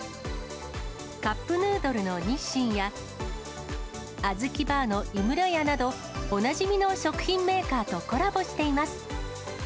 カップヌードルの日清や、あずきバーの井村屋など、おなじみの食品メーカーとコラボしています。